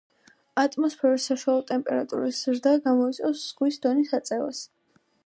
ატმოსფეროს საშუალო ტემპერატურის ზრდა გამოიწვევს ზღვის დონის აწევას.